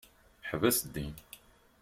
Ḥbes din.